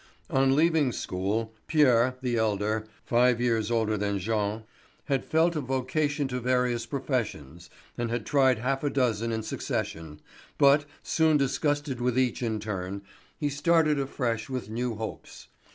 On leaving school, Pierre, the elder, five years older than Jean, had felt a vocation to various professions and had tried half a dozen in succession, but, soon disgusted with each in turn, he started afresh with new hopes.